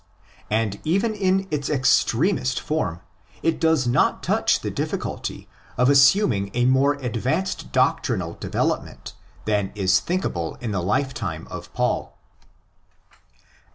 And even in its extremest form it does not touch the difficulty of assuming ἃ more advanced doctrinal development than is thinkable in the lifetime of Paul.